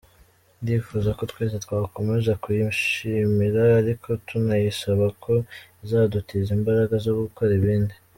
Ndifuza ko twese twakomeza kuyishimira ariko tunayisaba ko izadutiza imbaraga zo gukora ibindi.